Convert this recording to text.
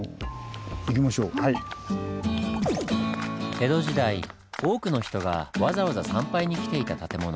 江戸時代多くの人がわざわざ参拝に来ていた建物。